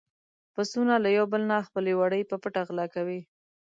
پسونو له يو بل نه خپل وړي په پټه غلا کولې.